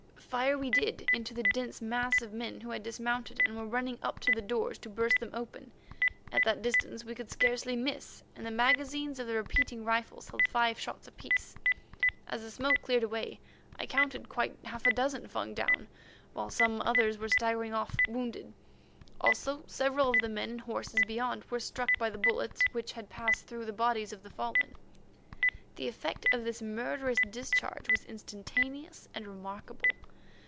Fire we did into the dense mass of men who had dismounted and were running up to the doors to burst them open. At that distance we could scarcely miss and the magazines of the repeating rifles held five shots apiece. As the smoke cleared away I counted quite half a dozen Fung down, while some others were staggering off, wounded. Also several of the men and horses beyond were struck by the bullets which had passed through the bodies of the fallen. The effect of this murderous discharge was instantaneous and remarkable.